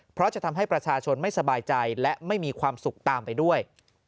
เพราะจะทำให้ประชาชนไม่สบายใจและไม่มีความสุขตามไปด้วย